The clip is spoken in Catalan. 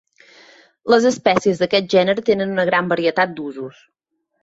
Les espècies d'aquest gènere tenen una gran varietat d'usos.